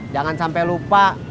jangan sampe lupa